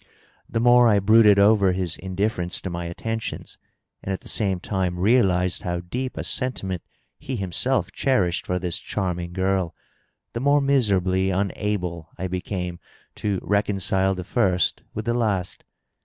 The more I brooded over his indifference to my attentions and at the same time realized how deep a sentiment he himself cherished for this charming girl, the more miserably unable I became to reconcile the first with ^e last.